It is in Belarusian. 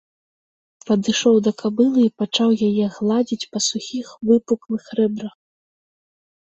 Падышоў да кабылы і пачаў яе гладзіць па сухіх выпуклых рэбрах.